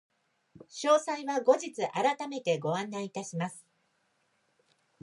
詳細は後日改めてご案内いたします。